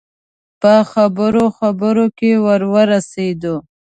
په خبرو خبرو کې ور ورسېدو.